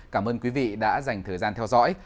cảm ơn quý vị đã dành thời gian theo dõi